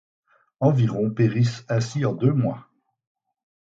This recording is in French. Environ périssent ainsi en deux mois.